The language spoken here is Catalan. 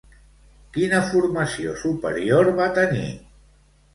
Quina formació superior va tenir?